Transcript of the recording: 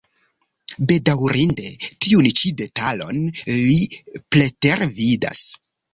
Bedaŭrinde, tiun ĉi detalon li pretervidas.